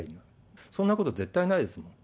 そんなこと絶対ないですもん。